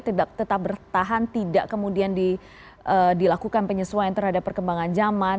tidak tetap bertahan tidak kemudian dilakukan penyesuaian terhadap perkembangan zaman